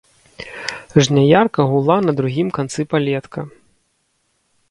Жняярка гула на другім канцы палетка.